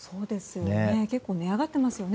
結構値上がってますよね